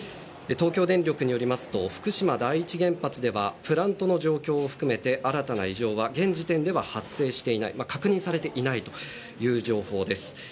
東京電力によると福島第一原発ではプラントの状況を含めて新たな異常は現時点では発生していない確認されていないという情報です。